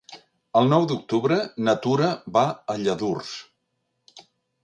El nou d'octubre na Tura va a Lladurs.